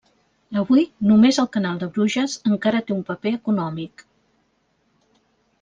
Avui, només el canal de Bruges encara té un paper econòmic.